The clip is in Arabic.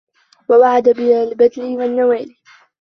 وَوَعَدَ بِالْبَذْلِ وَالنَّوَالِ